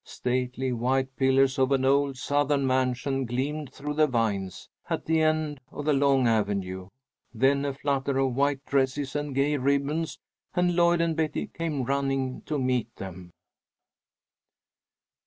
Stately white pillars of an old Southern mansion gleamed through the vines at the end of the long avenue. Then a flutter of white dresses and gay ribbons, and Lloyd and Betty came running to meet them.